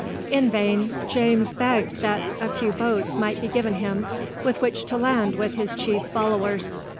In vain, James begged that a few boats might be given him, with which to land with his chief followers.